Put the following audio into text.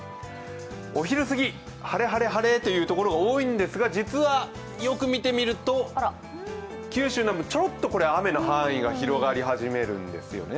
お昼すぎ、晴れ、晴れ、晴れというところが多いんですが、実は、よく見てみると九州南部、ちょろっと雨の範囲が広がり始めるんですよね。